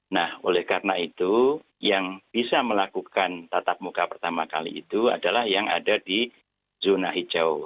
nah oleh karena itu yang bisa melakukan tatap muka pertama kali itu adalah yang ada di zona hijau